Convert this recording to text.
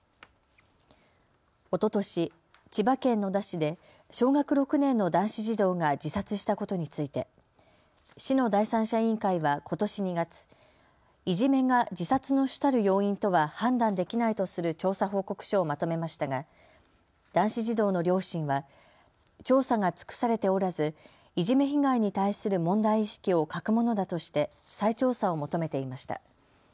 おととし千葉県野田市で小学６年の男子児童が自殺したことについて市の第三者委員会はことし２月、いじめが自殺の主たる要因とは判断できないとする調査報告書をまとめましたが男子児童の両親は調査が尽くされておらず、いじめ被害に対する問題意識を欠くものだとして再調査を求めていました。